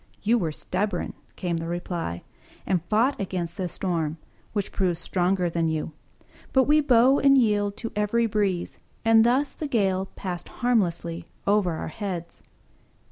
"You were stubborn," came the reply, "and fought against the storm, which proved stronger than you: but we bow and yield to every breeze, and thus the gale passed harmlessly over our heads."